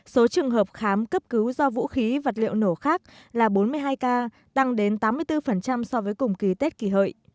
số trường hợp khám cấp cứu do vũ khí vật liệu nổ khác là bốn mươi hai ca tăng đến tám mươi bốn so với cùng kỳ tết kỳ hợi